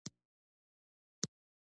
افغانستان په رسوب باندې تکیه لري.